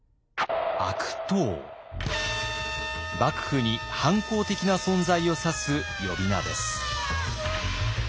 幕府に反抗的な存在を指す呼び名です。